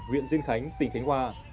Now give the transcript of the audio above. huyện diên khánh tỉnh khánh hòa